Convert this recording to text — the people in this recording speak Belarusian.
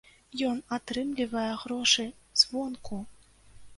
Ён атрымлівае грошы звонку!